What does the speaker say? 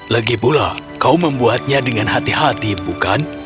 lagipula kau membuatnya dengan hati hati bukan